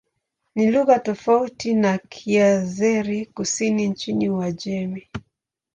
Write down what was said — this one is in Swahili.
Ni lugha tofauti na Kiazeri-Kusini nchini Uajemi.